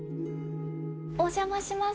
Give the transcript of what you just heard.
お邪魔します。